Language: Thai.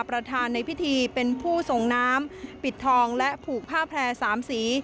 ประธานในพิธีเป็นผู้ส่งน้ำปิดทองและผูกผ้าแพร่๓สี